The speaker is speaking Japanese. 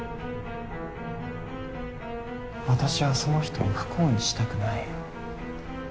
私はその人を不幸にしたくない。